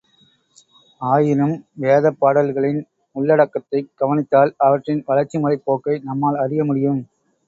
ஆயினும் வேதப்பாடல்களின் உள்ளடக்கத்தைக் கவனித்தால் அவற்றின் வளர்ச்சிமுறைப் போக்கை நம்மால் அறிய முடியும்.